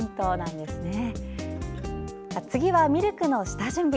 次は、ミルクの下準備。